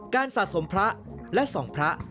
สะสมพระและสองพระ